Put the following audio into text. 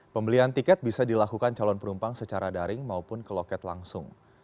pembelian tiket bisa dilakukan calon penumpang secara daring maupun ke loket langsung